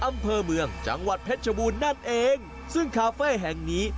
อำเภอเมืองจังหวัดเพชรชบูรณ์นั่นเองซึ่งคาเฟ่แห่งนี้